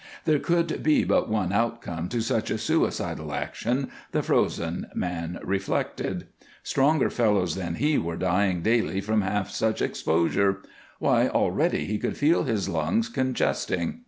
There could be but one outcome to such a suicidal action, the frozen man reflected. Stronger fellows than he were dying daily from half such exposure. Why, already he could feel his lungs congesting.